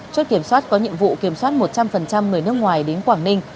chốt kiểm soát có nhiệm vụ kiểm soát một trăm linh người nước ngoài đến quảng ninh